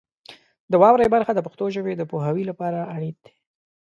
د واورئ برخه د پښتو ژبې د پوهاوي لپاره اړین دی.